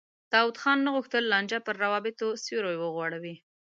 داود خان نه غوښتل لانجه پر روابطو سیوری وغوړوي.